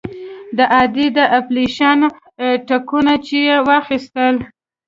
د ادې د اپرېشن ټکونه چې يې واخيستل.